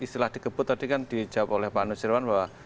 istilah dikebut tadi kan dijawab oleh pak nusirwan bahwa